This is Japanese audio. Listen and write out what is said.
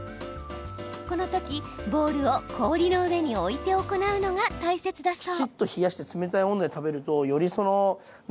このときボウルを氷の上に置いて行うのが大切だそう。